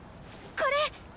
これ！